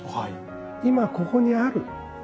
今ここにある。